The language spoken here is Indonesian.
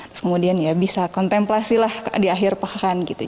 terus kemudian ya bisa kontemplasi lah di akhir pekan gitu